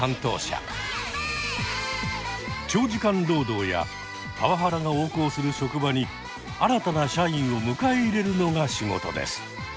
長時間労働やパワハラが横行する職場に新たな社員を迎え入れるのが仕事です。